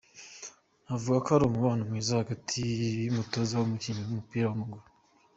Navuga ko ari umubano mwiza hagati y'umutoza n'umukinnyi w'umupira w'amaguru".